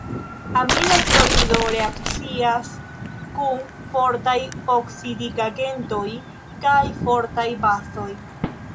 Amila klorido reakcias kun fortaj oksidigagentoj kaj fortaj bazoj.